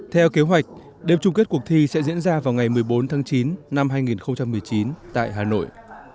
theo kế hoạch đêm chung kết cuộc thi sẽ diễn ra vào ngày một mươi bốn tháng chín năm hai nghìn một mươi chín tại hà nội